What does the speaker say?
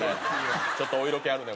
ちょっとお色気あるね。